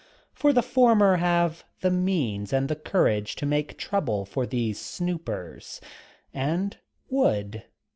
For the former have the means and the courage to make trouble for these snoopers. And would.